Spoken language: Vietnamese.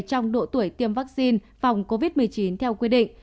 trong độ tuổi tiêm vaccine phòng covid một mươi chín theo quy định